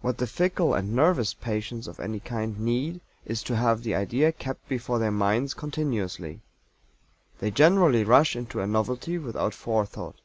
What the fickle and "nervous" patients of any kind need is to have the idea kept before their minds continuously. They generally rush into a novelty without Forethought.